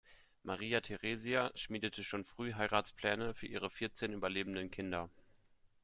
Maria Theresia schmiedete schon früh Heiratspläne für ihre vierzehn überlebenden Kinder.